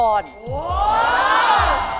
โอ้โห